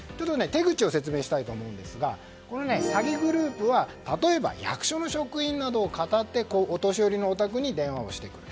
手口を説明したいと思うんですが詐欺グループは例えば役所の職員などをかたってお年寄りのお宅に電話をしてくる。